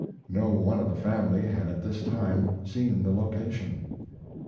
No one of the family had at this time seen the location.